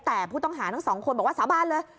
แต่ผู้ต้องหาทั้งสองคนบอกว่าสาบานเลย